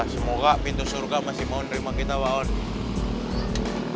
semoga pintu surga masih mau nerima kita bang